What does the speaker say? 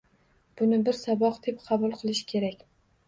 Buni bir saboq deb qabul qilish kerak.